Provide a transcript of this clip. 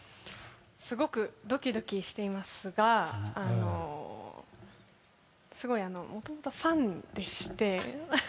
すごくドキドキしていますがすごいファンでして。